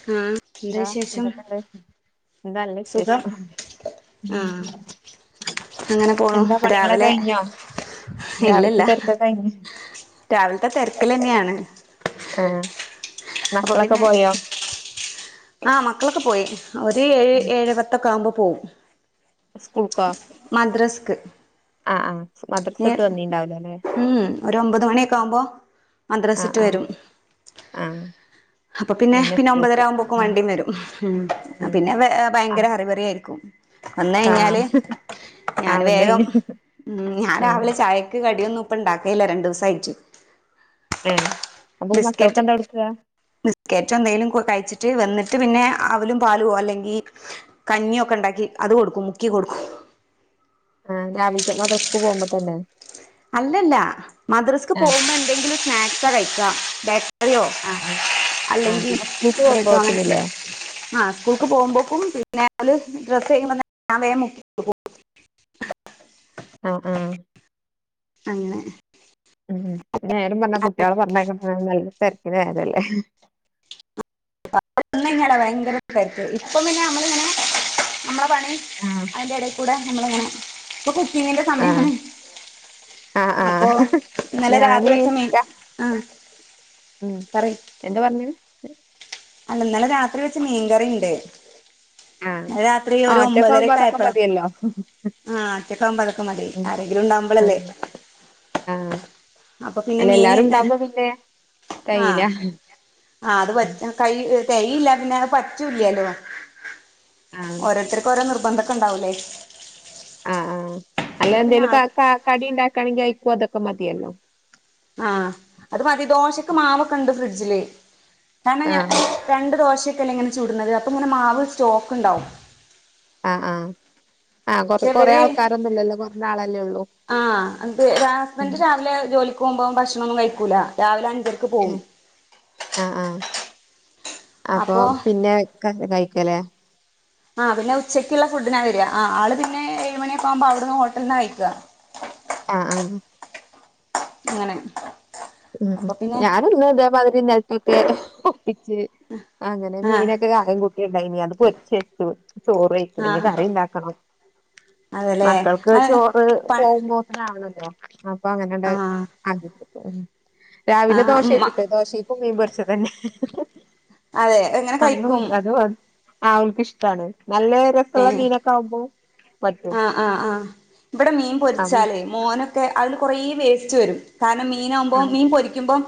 ആഹ് എന്താ ന്താ വിശേഷം എന്തക്ക്ണ്ട് ന്താ അല്ല സുഖം വിശെഷം ആഹ് അങ്ങനെ പോണു രാവിലെ ഇല്ലല്ല രാവിലത്തെ തിരക്കൊക്കെ കഴിഞ്ഞ് രാവിൽത്തെ തെര്ക്കിലെന്നെണ് ആഹ് മക്കളോക്കെ പോയോ? ആഹ് മക്കളോക്കെ പോയി. ഒരു ഏഴ് ഏഴെ പത്തോക്കെ ആഉമ്പോ പോവും സ്കൂൾക്കൊ മദ്രസ്ക് അഹ് ആഹ് നീ ഉം ഉം ഒരു ഒമ്പത് മണിയോക്കെ ആവുമ്പോ മദ്രസ്ട്ട് വരും ആഹ് അപ്പോ പിന്നെ പിന്നെ ഒമ്പതര ആഉമ്പോക്കും വണ്ടിയും വരും. ഉം ഉം പിന്നെ വെ ഏഹ് ആ ഭയങ്കര അറിവറിയയിരി ഒന്ന് ആ കഴിഞ്ഞാൽ ആ ഞാൻ വന്ന് വേഗം കഴിഞ്ഞ് ഉം ഞാൻ ആ രാവിലെ ചായക്ക് കടിയോന്നും ഇപ്പം ഇണ്ടാക്കല്ല രണ്ടു ദിവസായിട്ട് എ അപ്പോ ബിസ്ക്കറ്റ് മക്കൾക്കെന്താ കോടുക്ക ബിസ്ക്കറ്റോ എന്തെലും കോ കഴിച്ചിട്ട് വന്നിട്ട് പിന്നെ അവലും പാലുവോ അല്ലെങ്കി കഞ്ഞിയോ ഒക്കെ ഉണ്ട ക്കി അത് കോടുക്കും മുക്കി കോടുക്കും ആ രാവിലത്തെ മദ്രസ്ക്ക് പോകുമ്പോ തന്നെ അല്ലല്ല മദ്രസ്ക്ക് ആ പോകുമ്പോ എണ്ടെങ്കിലും സ്നാക്സ കഴിക്കാ അലോ ആ ആ ആ അല്ലെങ്കിൽ പിന്നെ സ്കൂൾക്ക് ബ്രഡ്‌ ആങ്ങനെ പോകുമ്പോത്തിനില്ലേ ആ സ്കൂൾക്ക് പോകുമ്പോക്കും [inaudible] ഡ്രസ് [unintelligible] ഞാൻ വേം മുക്കി വെക്കും അ ആ അങ്ങനെ ഉം ഉം നെരും പറഞ്ഞ കുട്ടികള പറഞ്ഞയക്കെണ്ടെ നല്ല തെരക്കിലയെതല്ലേ ഭയങ്കര തെരെക്ക് ഇപ്പം പിന്നെ നമ്മൾ ഇങ്ങനെ നമ്മളെ പണി ആ അതിന്റെ ഇടൽ കൂടെ നമ്മൾ ഇങ്ങെനെ ഇപ്പൊ കുക്കിങ്ങിന്റെ ആ സമയാണ് ആഹ് അപ്പോ ആഹ് ഇന്നലെ ഞാന് രാത്രി വെച്ച മീൻ ര- അ ഉം എന്ത പറഞ്ഞത് അല്ല ഇന്നലെ രാത്രി വെച്ച മീൻകറിണ്ട് ആ ഇന്നലെ രാത്രി ആ ഒരു ഒറ്റക്കെ ആവുമ്പോ അതോക്കെ മതിയല്ലോ ആ ഒറ്റക്കാകുമ്പോ അതോക്കെ മതി ഉം ആരെങ്കിലും ഉണ്ടാകുമ്പളല്ലേ ആഹ് ആഹ് അപ്പോ പിന്നെ അല്ല മീന് എല്ലാരും എ ഉണ്ടാവുമ്പോ പിന്നെ ആ തെകയില്ല ആ അത് ആഹ് പൊരിച്ച് കൈ തെയില്ല പിന്നെ അത് പറ്റുല്ലല്ലോ ഓരോരുത്തർക്ക് ഓരോ നിർ ബന്ധൊക്കെ ഉണ്ടാവുലെ അ ആ അല്ല എന്തേലും ക ക കടി ഉണ്ടാക്കാണെങ്കി അയിക്കും അതോക്കെ മതിയല്ലോ ആ അത് മതി ദോശക്ക് മാവോക്കണ്ട് ഫ്രിഡ്ജിൽ കാരണം ഞാ ആഹ് രണ്ട് ദോശയോക്കെല്ലെ ഇങ്ങനെ ച്ചുടുന്നത് അപ്പോ ഇങ്ങനെ മാവ് സ്റ്റോക്ക് ഉണ്ടാവും അ ആ ചലര് ആളല്ലേ ഉള്ളൂ ആ അത് ഉം ഹസ്ബന്ഡ് രാവിലെ ജോലിക്ക് പോവ്മ്പം ഭക്ഷണംന്നും കഴിക്കൂല രാവിലെ ആ ഉം ആഹ് ആഹ അപ്പൊ അപ്പോ പിന്നെ ക കഴിക്കാലേ ആഹ പിന്നെ ഉച്ചയ്ക്കുള്ള ഫുഡിനാ വരിക ആ ആള് പിന്നെ ഏഴുമണിയക്കാമ്പോ അവിടുന്ന് ഹോട്ടലിൽന്ന കഴിക്ക ആഹ ആഹ അങ്ങനെ ഉം അപ്പൊ പിന്നെ ഞാനൊന്ന് അതേമാതിരി നേരത്തൊക്കെ ഒപ്പിച്ച് അങ്ങനെ ആഹ് മീനൊക്കെ കായം കുട്ടിണ്ടായ്നീ അത് പൊരിച്ച് ച്ചു ചോറ് വച്ചു ഇനി ആഹ് കറിുണ്ടാക്കണം അതെല്ലേ മക്കൾക്ക് അത് ചോറ് പ പോകുമ്പോതെന ആവണം അപ്പൊ അങ്ങനെ ആഹ് ആ രാവിലെ ആഹ് ഉമ്മ ദോശക്കിട്ട് ദോശീ അതെ എങ്ങനെ അ അത കഴിക്കും അത് [inaudible] ആ അവൾക്ക്ഷ്ടാണ് നല്ല രസള്ള മീനൊക്കെ ആവുമ്പോ പറ്റും ആ ആഹ് ആഹ് ഇവിടെ മീൻ അപ്പൊ പൊരിച്ചാലേ മോനൊക്കെ അതില് കുറേ വേസ്റ്റ് വരും കാരണം മീനാകുമ്പോൾ ആഹ് മീൻ പൊരിക്കുമ്പോം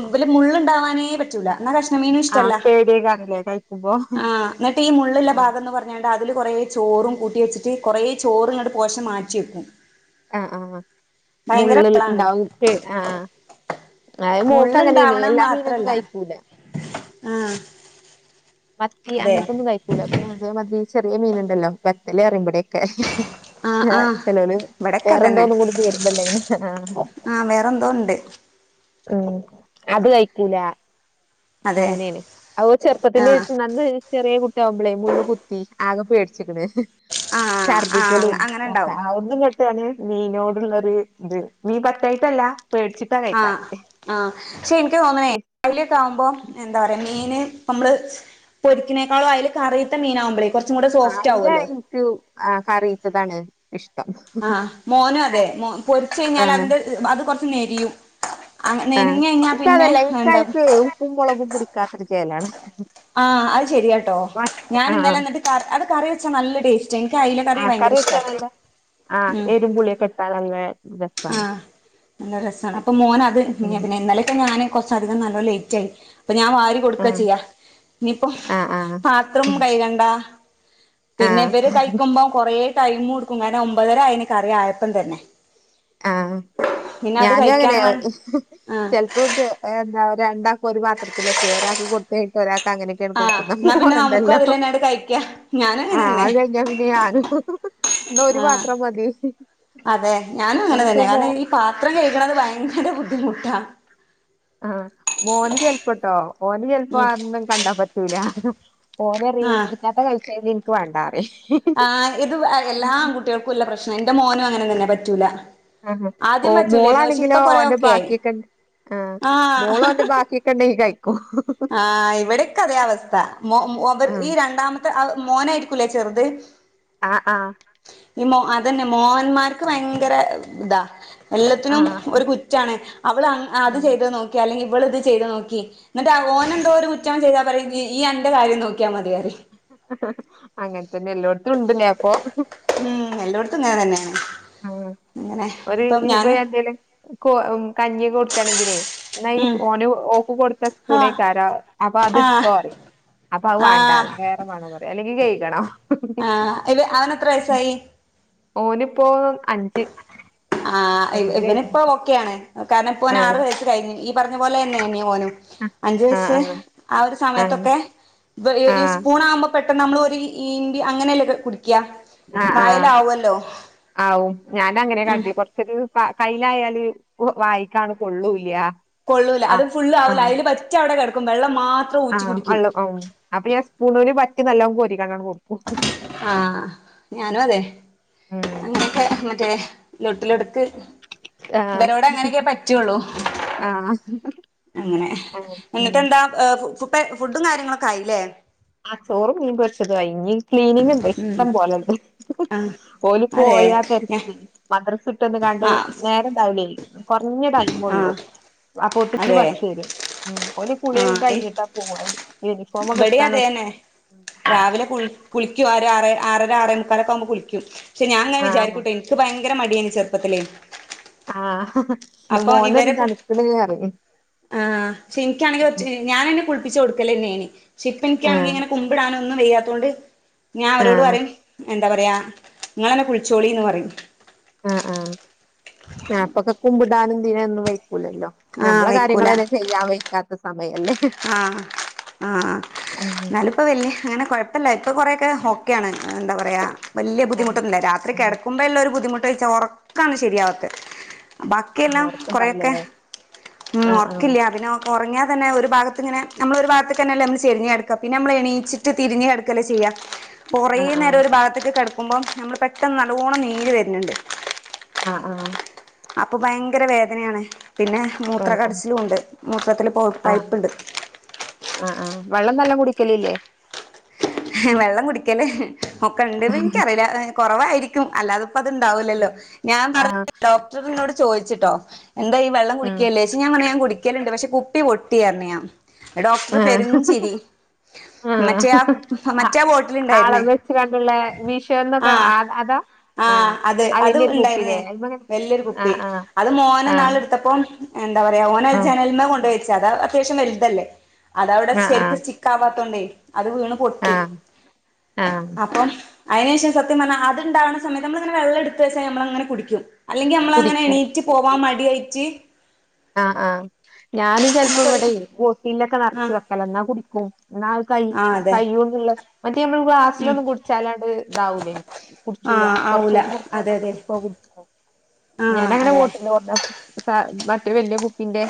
ഇബ്ബൽ മുള്ള്ണ്ടാവാനേ പറ്റൂല ന്ന കഷ്ണമീനും ആഹ് ഇഷ്ടല്ല. പേടിയേക്കാരല്ലേ കഴിക്കുമ്പോ ആഹ് ന്നട്ടീമുള്ള്ള്ള ആഹ് ഭാഗംന്ന് പർഞാ ട്ട അതില് കൊറേ ചോറും കൂട്ടി വെച്ചിട്ട് കൊറേ ചോറും ങ്ങട്ട് പോശം മാറ്റി വെക്കും അഹ് ആഹ് മുള്ള് ഭയങ്കര ൽ വെളാണ് ണ്ടാവും ക്കെയ് ആഹ് അഹ് മോക്ക് അങ്ങനെനി മുള്ള്ണ്ടാവണത് എല്ലാ മീനൊന്നും മാത്രല്ല കഴിക്കൂല. ആഹ് പത് ഈ അതെ അങ്ങൻത്തൊന്നും കയ്ക്കൂല്ല പിന്നെ അതേമാതിരി ചെറിയ മീന്ണ്ടല്ലോ വെത്തല് അറിയും വെടെ ആഹ് ചെ ആഹ് ചെലോല് ഇവിടൊക്കെ വേറെ അതന്നെ എന്തോലും കൂടി [unintelligible] തല്ലേ അയ്ന് ആഹ് വേറെന്തോ ഉണ്ട് ഉം അത് കഴിക്കൂലാ അതെ അങ്ങനെയാണ്. അ ഒ ചെറുപ്പത്തില്‌ ആഹ് നന്ന് ചെറിയ കുട്ടിയാകുമ്പളേ മുള്ള് കുത്തി ആകും വേടിച്ക്ണ് ആഹ് ആഹ് ഛർദിക്കലുംക്കെ അങ്ങനെണ്ടാവും ഒന്നു ല്യ റ്റാണ്. മീനോട്ള്ളൊര്ത്. മീൻ പറ്റായിട്ടല്ല പേടിച്ചിട്ടാ ആഹ് കഴിക്കാത്തെ ആഹ് ക്ഷെ ഇൻക്ക് തോന്നണേ അയില് കാൺമ്പൊ എന്താ പറയാ മീന് നമ്മള് സ് പൊരിക്കിനേക്കാളും അയില് കറീത്ത മീനാഉമ്പളെ അയ്ല ഇൻക്ക് ആഹ് കറീത്തതാണ് ഇഷ് ആഹ് മോനും അതെ മ പൊരിച്ചെയ്ഞ്ഞാല് ആഹ് അതിന്റെ ഹ് അത് കൊറച്ച് നെരിയും. അങ്ങ ആഹ് നെരിഞ്ഞ് കഴിഞ്ഞാ പിന്നെ ഇൻക്കതല്ല എന്താ ഇൻകായിക്ക് ഉപ്പും മുളകും പിടിക്കാത്തരു ചേലാണ്. ആഹ് അഹ് ശെരിയാട്ടോ മറ്റ് ഞാൻ ആഹ് ഇന്നലെ ന്നിട്ട് ക അത് കറി വെച്ചാ നല്ല ടേസ് ആഹ് കറി വെച്ചാലല്ല ആഹ് ഉം എരുും പുളിയൊക്കെ ട്ടാൽ നല്ല രസാണ്. ആഹ് നല്ല രസാണ് അപ്പൊ മോൻ അത് പിനെ ഉം പിന്നെ ഇന്നലെയൊക്കെ ഞാന് കൊർച്ചധികം നല്ല ലേറ്റ് ആയി പ്പൊ ഞാൻ വാരി കൊടുക്ക ആഹ് ചെയ്യാ. ഇനിയിപ്പം ആഹ് ആഹ് പാത്രം ഉം കൈ കണ്ടാ പിന്നെ ആഹ് ഇവര് കഴിക്കുമ്പോം കൊറേ ടൈമ് കൊടുക്കും കാര്ന ഒമ്പതര അയിന് കറിയായപ്പം തന്നെ ആഹ് പിന്നെ അത് ഞാനും കഴിക്കാൻ അങ്ങനെ വേണ്ടി ആഹ് ചെൽപ്പോ ചെ എന്താ രണ്ടാക്കൊരു പാത്രത്തിലേക് ഒരാക്ക് കൊടുത്തയ്ട്ട് ഒരാ ത്ത ങ്ങനൊക്കെണ് ആഹ് കൊടുക്കുന്ന എന്നാ പിന്നെ നമുക്കും [unintelligible] അതിലന്നാണ്ട് കഴിക്കാ ആഹ് ഞാനങ്ങനെന്നെ അഹ് കഴിഞ്ഞ പിന്നെ ആഹ് ന്ന ഒര് ആഹ് പാത്രം മതി. അതെ ഞാനും അങ്ങനെ പക്ഷെ തന്നെ, മോ കാരണം ഈ പാത്രം കെയ്ക്ണത് ഭയങ്കര ബുദ്ധിമുട്ടാ ആഹ് മോന് ചെൽപ്പട്ടോ. ഓന് ചെ ൽപ്പം ഉം അതൊന്നും കണ്ടാ പറ്റൂല ഓരറിയും ആഹ് ഇറ്റാത്ത കഴസയിൽ ഇൻക്ക് വേണ്ടാ റി ആഹ് ഇത് എല്ലാആങ്കുട്ടികൾക്കുള്ള പ്രശ്ന എന്റെ മോനു അങ്ങനെ തന്നെ പറ്റൂല. ആ ഹ ഓ ആദ്യം പറ്റൂലായിരുന്നു പക്ഷെ മോളാണെങ്കിലോ ഇപ്പൊ കൊറേ അന്റെ ഒക്കെ ആയി ബാക്കിയൊക്കെൺ ആഹ് ആഹ് മോളോന്റെ ബാക്കിയൊക്കെണ്ടേ കഴിക്കും ആഹ് ഇവിടെക്കതേഅവസ്ഥ. മൊ മൊത ഈ ആഹ് രണ്ടാമത്തെ അഹ് മോനായിരിക്കൂല്ലേ ചെറുത്? ആഹ് ആഹ് ഈ മോ അതന്നെ മോഹന്മാർക്ക് ഭയങ്കര ഇതാ എല്ലാത്തിനും ആഹ് ആഹ് ഒരു കുറ്റാണ് അവള് അത് ചെയ്ത് നോക്കി അല്ലെങ്കിൽ ഇവള ഇത് ചെയ്ത് നോക്കി എന്നി് ഓന എന്തോ ഒരു കുറ്റം ചെയ്താൽ പറയും ഈ എൻ്റൊര്ം നോക്കിയാൽ മതിയാറി അങ്ങനത്തന്നെ എല്ലായിടത്തും ഉണ്ടല്ലെ അപ്പൊ അത് അങ്ങനെ തന്നെയാണ് ഉ അങ്ങനെ ഇപ്പം ഒരുപ്പ ഞാന് എന്തേലും കഞ്ഞിയൊക്കെ കൊടുക്കയാണെങ്കിലേ ന ഉം ഓന ഓക്ക കൊടുത്ത പുേ ആഹ് കാര അപ്പ അത് ആഹ് തോറ അപ്പൊ അ വേണ്ടാ വേറെമാണോ പറയാ അല്ലെങ്കിൽ ഗയിിക്കണോ ആഹ ഇ അവന എത്ര വയസായി ഓനിപ്പോ അഞ്ച് ആ് അഞ്ച് ഇവനി കഴിഞ്ഞു ഇപ്പോൊ ഓക്കെയ ആാണ് കാരണം ഇപ്പോ ന ആറ് ആഹ് വു കഴിഞ്ഞു പറഞ്ഞ പോലെ തന്നെ എന്നീ പോനും അഞ്ചു ആഹ് വയസ് ആഹ് ആ ഒരു ആഹ് സമയത്തൊക്കെ ഈ ആഹ് സ്പൂൺ ആവുമ്പോ പെട്ട നമ്മൾ ഒരു ഇ അങ്ങനെല്ലേ കുടിക്കും ആ ആഹ ആ ഞാനങ്ങ അനെ ക ഉം കൊറച്ചരു കയ്യിലായാല് വായിക്കാണ് കൊള്ളൂല്ല കൊള്ളൂ അത് ആഹ് ഫള് ആവൂ ആഹ് അതില് പറ്റ അടെ കടക്കും വെള്ളം മാത്രം ഊറ്റി ആഹ് കുടിക്കും വള്ള അപ്പൊ ഞാൻ സ്പൂണൂന് പറ്റി നല്ല കോരിക്ക കൊടു ആഹ ഞാനും അതെ ഉം അങ്ങനൊക്കെ മറ്റേ ലോട്ടില എടുത്ത് ആഹ് ഇവരോടെ അങ്ങനെയൊക്കെ പറ്റുള്ളൂ ആഹ് അങ്ങനെ ആഹ് ഉം എന്നിട്ട് എന്താ ഇപ്പ ഫുഡും കാര്യങ്ങളൊക്കെയില്ലേ ആ ചോറ്ും മീൻപ വച്ചത് ഇ ക്ലീനിങ് ഉണ്ട് ഉം ഇഷ്ടം പോലെണ്ട് ആഹ് പോഓല അതെ പോയാ ഞ തരത്തില്ൽ മദ്ര ക ആഹ് നേരം ഉണ്ടാവൂലേ കുറഞ്ഞടൈ ഒ ള്ളൂ ആഹ് ഒരു അതെ ബസ് വരും ഉ ഒരു കുളി ആഹ് ഇ കഴിഞ്ഞിട്ടാ പോവായി യൂണിഫോമൊക്ക ഇബടിം കിട്ടാണ് അതേന്നെ രാവിലെ കുളിക്കും ആ ആറര ആറേ മുക്കാലൊക്കെ ആവുമ്പോ കുളിക്കും പക്ഷെ ഞാൻങ്ങനെ വിചാരിക്കൂ ആഹ് കേട്ടെ എനിക്ക് ഭയങ്കര മടിയാണ് ചെറുപ്പത്തിലേ ആഹ അപ്പൊ ഇവരെ ആ പക്ഷെ എനിക്കാണെങ്കിൽ ഞാനൻ പപ്പിച്ച കൊടുക്കലേ എന്നേന് പക്ഷെ ഇപ്പ എനിക്കാണെങ്കി ആഹ് ഇങ്ങനെ കുമ്പിടാനൻ ഒന്ന് വെയ്യാത്തൊണ്ട് ഞാൻ അവരോട് ആഹ് പറയും എന്താ പറയാ നിങ്ങന്നെ കുഴിച്ചോളിന്ന് പറയും ആ ആഹ് ആ അപ്പൊക്കെ കുമ്പിടാനുംതിതിന ഒന്ന് വ ല്ലോ ആഹ് നമ്മളെ കാര്യങ്ങൾനെ ചെയ്യാ വിക്കാത്ത ആഹ ആഹ ഉം എന്നാലും ഇപ്പോ വല്ിയ അങ്ങനെ കുഴപ്പമില്ല ഇപ്പൊ കൊറെക്കെ ഹോക്കയാണ് എന്താ പറയാ വലിയ ആഹ് ബുദ്ധിമുട്ടൊന്നില്ല താ അത്ര ആഹ് കിടക്കുമ്പോ എല്ലാം ഒരു ബുദ്ധിമുട്ട് വച്ചാൽ ഉറക്കാണ് ശരിയാകത് ആഹ് ബാക്കിയെല്ലാം കൊറെക്കെ ഒറക്കണ്ടാവൂലല്ലേ ഉ ആഹ് ആഹ് ഉറക്കില്ല അതിനക്കെ ഉറങ്ങിയാൽ തന്നെ ഒരു ഭാഗത്ത് അത്തിങ്ങെ നമ്മള ഒരു ഭാഗത്ത തന്നെല്ല നമ്മ ചെരിഞ് കടുക്ക പിന്നെ നമ്മ എണീച്ചട്ട് തിരിഞ്ഞഞ് കടുക്കല്ലേ ചെയ്യാം കുറേ ആഹ് നേരം ആഹ് ഒരു ഭാഗത്തേക്ക് കിടക്കുമ്പോം നമ്മൾ പെട്ടെന്ന് നല്ലവോണം നീര് വരുന്നുണ്ട് ആഹ ആഹ അപ്പൊ ഭയങ്കര വേദനയാണ് പിന്നെ മൂത്ര ആഹ് ആഹ് കടസിലും ഉണ്ട് മൂത്രത്തില്ൽ പോ ആഹ് പൈപ്പ്ണ്ട് ആഹ് ആഹ് വെള്ളം നെല്ലാം കുടിക്കലില്ലേ വെള്ളം കുടിക്കല്ലേ ഒക്കെ ഇണ്ട് എനിക്കറിയില്ല കുറവായിരിക്കും അല്ലാതെ അത്ണ്ടാവൂല്ലല്ലോ ഞാൻ പറഞ്ഞ ആഹ് ഡോക്ടറിനോട് ചോദിച്ചിട്ടോ എന്താ വെള്ളം ആഹ് കുടിക്കലില്ലേ ഞാ പറ ഞാ കുക്കലുണ്ട് പക്ഷെ കുപ്പി പൊട്ടി പറഞ്ഞു ഞാൻ ഡോക്ടർ ആഹ് പെരഞ്ചിരി ആഹ് മറ്റേ ആ ആ മറ്റേ ബോട്ടിൽ ആള ഉണ്ടായിരുന്നേ വെച്ച കട്ടുള്ള വിഷോ എന്നൊക്കെ അതാ ആഹ ആഹ് അത് ആ അത് വലിയൊരു കുപ്പിലേ ഉണ്ടായിരുന്നേ അയ്മങ്ങനെ വല്യൊരു കുപ്പി ആഹ് ആഹ് അത് മോന നാള എടുത്തപ്പം എന്താ പറയാ ഓന ആഹ് ജനൽമ കൊണ്ട്പച്ച അത് അത്യാവശ്യം വലുതല്ലേ അതവിടെ ആഹ് ശരിക്ക് ആഹ് സ്റ്റിക്ക് ആവാതൊണ്ടേ അത് വീണ് പൊട്ടി ആഹ് ആഹ് ആഹ് അപ്പം അയിന്ശേഷം സത്യം പറഞ്ഞ അതുണ്ടാവുന്ന സമയം നമ്മളങ്ങനെ വെള്ളം എടുത്തുവച്ചാൽ നമ്മളങ്ങനെ കുടിക്കും അല്ലെങ്കിൽ നമ്മളങ്ങനെ കുടിക്കും എണീറ്റ് പോവാൻ മടിയായിറ്റ് ആഹ് ആഹ് ഞാനും ചെലപ്പോ നമുക്കൊരു ഇവിടെ ബോട്ടിലൊക്കെ നിറച്ച് ആഹ് വെക്കല എന്നാ കുടിക്കും എന്നാ കൈ ആഹ് അതെ കയ്യൊന്നുള്ള മറ്റേ നമ്മള് ഉം ഗ്ലാസിലൊന്നും കുടിച്ചാലാണ്ട് ഇതാവൂല്ലേ കുടിച്ചൂല ആഹ് ആവൂല കുറച്ച് അതെ അതെ [unintelligible] ആഹ് ഞാനങ്ങനെ അതെ വോട്ടില്ല വോട്ട പ ഒരു വല്യ കുപ്പിന്റെ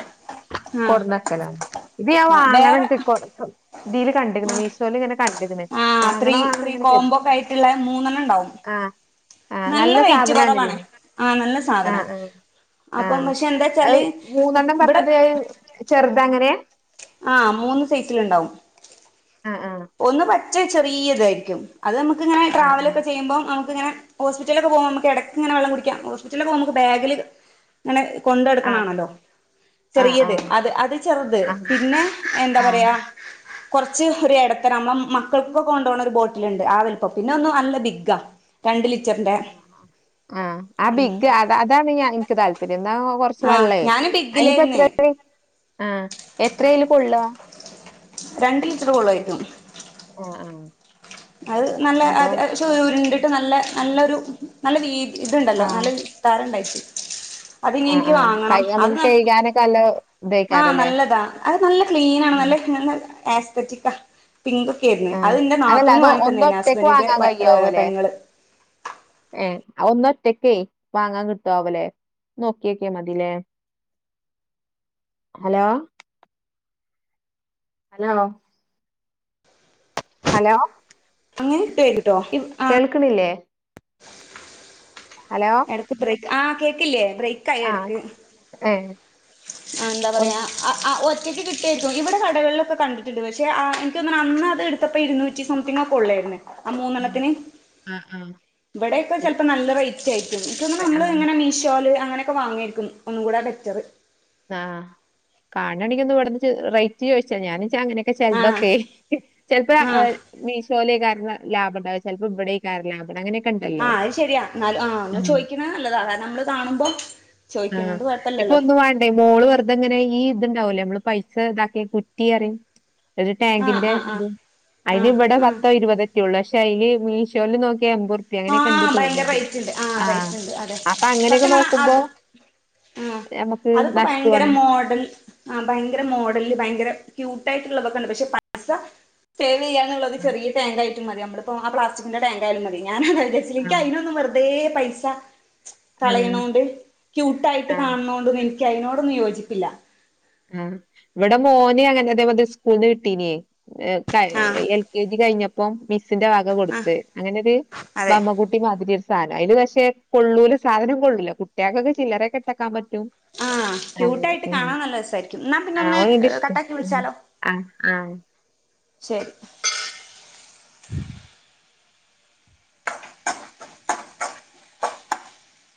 ആഹ് കൊടന്നക്കലാണ് ഇത് ഞാൻ ആഹ് വാങ്ങണം വേറെ ത് കൊ കൊ ഇതില് കണ്ടിരുന്ന് ആഹ് മീശോയിൽ ഇങ്ങനെ കണ്ട ക്ക്ണ് ആഹ് ത്രീ വാങ്ങണം വാങ്ങണം ത്രീ ഇങ്ങനെ കര് കോംബോക്കെ ആയിട്ടുള്ള മൂന്നെണ്ണം ഉണ്ടാവും ആ അ നല്ല റേറ്റ് സാധനണല്ലേ കുറവാണ് ആഹ് നല്ല അ സാധനാ അ അപ്പം പക്ഷെ അ എന്താച്ചാല് മൂന്നെണ്ണം ഇവിടെ പറഞ്ഞത് ചെറുതാ അങ്ങനെ ആ മൂന്ന് സൈസിലുണ്ടാവും. ആഹ് ആഹ് ഒന്ന് പച്ചേ ചെറിയതായിരിക്കും, അത് നമുക്ക് ഇങ്ങനെ ആഹ് ട്രാവല് ഒക്കെ ചെയ്യുമ്പോ ആ ത് ഇങ്ങനെ ഹോസ്പിറ്റലിലൊക്കെ പോവു മ്മക്ക് എടക്കിങ്ങനെ വെള്ളം കുടിക്കാം, ഹോസ്പിറ്റലിലൊക്കെ പോകുമ്പോ ബാഗില് ങ്ങനെ ആഹ് കൊണ്ടടക്കണാണല്ലോ. ആഹ് ചെറിയത് ആഹ് അത് അത് ചെറുത് ആഹ് പിന്നെ എന്താ ആഹ് പറയാ കൊറച്ച് ഒരെട നമ്മള മക്കൾക്ക് കൊണ്ടു പോണ ഒരു ബോട്ടിലുണ്ട് ആ വലുപ്പം, പിന്നെ ഒന്ന് നല്ല ബിഗ്ഗാ. രണ്ട് ലിറ്ററിന്റെ ആ ആ ആ ആ ആ ബിഗ് അതാ അതാണ് ഞാ എനിക്ക് താല്പര്യം. അതാവുമ്പം കൊറച്ച് ആ വെള്ളേ ഞാന് അതിലിപ്പം എത്ര ബിഗ്ഗിലായിരുന്നു [unintelligible] ആ എത്രേയില് കൊള്ള. രണ്ട് ലിറ്റർ കൊള്ളുവായിരിക്കും. ആ ആ അത് നല്ല അത് അത് ചുരുണ്ടി രു നല്ല നല്ലൊരു നല്ല വീ ഇത്ണ്ടല്ലോ ആഹ് നല്ല താരം ഇണ്ടായിട്ട്. അതിനി ആഹ് എനിക്ക് ആഹ് കൈ വാങ്ങണം അത് നമുക്ക് ന കഴുകാനൊക്കെ നല്ല ആ ഇതേക്കാരല്ലേ നല്ലതാ അത് നല്ല ക്ലീനാണ്, നല്ല ന ന എസ്തറ്റിക്കാ. പിങ്ക് ഒക്കെ ആയിരുന്ന്‌ ആഹ് അത് ന്റെ അതല്ല നാത്തൂന് അത് വാങ്ങിത്തന്നേനാ ഒന്നൊറ്റക്ക് ഹസ്ബന്റിന്റെ വൈ ഏ പെങ്ങള് ഏ ഒന്നൊറ്റക്കേ വാങ്ങാൻ കിട്ടാവല്ലേ നോക്കിയക്കേ മതിലേ. ഹലോ ഹലോ ഹലോ അങ്ങനെ കേട്ട് കേൾക്കണില്ലേ? ഹലോ എടക്ക് ബ്രേക്ക് ആ കേക്കില്ലേ ബ്രേക്ക്‌ ആയി ആഹ് എടക്ക്. ഏഹ് ആ എന്താ ഒന്ന് പറയാ ആ ആ ആ ഒറ്റയ്ക്ക് കിട്ടിരിക്കും, ഇവിടെ കടകളിലൊക്കെ കണ്ടിട്ടുണ്ട് പക്ഷേ അ എനിക്ക് തോന്നണു അന്നത് എടുത്തപ്പോ ഇരുന്നുറ്റി സംതിങ്ങ് ഒ കൊള്ളായിരുന്നു ആ മൂന്നെണ്ണത്തിന് ആഹ് ആഹ് ഇവിടെക്കെ ചെൽപ്പോ നല്ല റേറ്റ് ആയിരിക്കും, ഇനിക്കൊന്നണ നമ്മള് ആഹ് ഇങ്ങനെ മീഷോല് അങ്ങനെയൊക്കെ വാങ്ങായിരിക്കും ഒന്നും കൂടാ ബെറ്ററ്. ആ കാണയാണെങ്കി ഒന്ന് ഇവടന്ന് ച് റേറ്റ് ചോദിച്ചാ ഞാന് ച അങ്ങനെയൊക്കെ ആഹ് ചെലതൊക്കെ ചെൽപ്പ ഏ ആഹ് മീശ് ചോലേക്കാരന ലാഭണ്ട് ചെലപ്പോ ഇവിടേക്കാര ലാഭ അങ്ങനെ ആ അത് ശെരിയാ എന്നാല് ആ ഒന്ന് ചോദിക്കണ നല്ലതാ കാരണം മ്മള് കാണുമ്പോ ആ ചോദിക്കണോണ്ട് ഇപ്പോ കൊഴപ്പല്ലല്ലോ ഒന്നും വാണ്ടേ മോ നമ്മള് വെറുതങ്ങനെ ഈ ഇതുണ്ടാവുല്ലേ നമ്മള് പൈസ ഇതാക്കിയ കുറ്റിയറി ഒരു ആഹ് ടാങ്കിന്റെ ആഹ് ആഹ് ഇത് അയിന് ആഹ് ഇവടെ ആഹ് പത്തോ ഇരുപതൊക്കെ ഒള്ളൂ, പക്ഷേ അയില് മീഷോൽ നോ ക്കെ അമ്പറുപ്പി ആ അങ്ങനെയൊക്കെ ഇണ്ട്ന്ന് ഭയങ്കര തോന്ന്ണ്ട്, റേറ്റ് ഉണ്ട് ആ റേറ്റ് ഉണ്ട് അതെ അപ്പ അങ്ങനെയൊക്കെ സത്യം പറഞ്ഞാ നോക്കുമ്പോ അത് ആ ഞമ്മക്ക് അതിപ്പോ ഭയങ്കര മോഡൽ ആ ഭയങ്കര മോഡല് ഭയങ്കര ക്യൂട്ടായിട്ടുള്ളതൊക്കെ ഇണ്ട് പക്ഷേ പൈസ സേവ് ചെയ്യാനുള്ളത് ആഹ് ചെറിയ ടാങ്കായിരി മതി നമ്മളിപ്പോൾ ആ പ്ലാസ്റ്റിന്റെ ടാങ്കായാലും മതി, ഞാന [unintelligible] അയിനൊന്നും വെറുതേ പൈസ ആഹ് കളയണൊണ്ട് ക്യൂട്ടായിട്ട് ആഹ് കാണുന്നോണ്ടൊന്നും എനിക്ക് അതിനോടൊന്നും യോജിപ്പില്ല. ആഹ് ഇവിടെ മോന് അങ്ങനെ അതേ മത സ്കൂളിന്ന് കിട്ടീന്. എ ക ആ എൽ കെ ജി കഴിഞ്ഞപ്പം മി സ്സിന്റെ വക ആ കൊടുത്ത് അങ്ങനെ ഒരു അതെ ബമ്മകുട്ടി മാതിരി സ് സാനം അയില് പക്ഷേ കൊള്ളൂല സാധനം കൊള്ളില്ല, കുട്ടികൾക്കൊക്കെ ചില്ലറക്കെ ഇട്ടാക്കാൻ പറ്റും. ആ ആ ക്യൂട്ടായിട്ട് മ് കാണാൻ നല്ല രസായിരിക്കും എന്നാ പിന്നെ ആഹ് ഒന്ന് ഒ ഇഷ്ട് കട്ടാക്കി ആഹ് ആ ആ ശെരി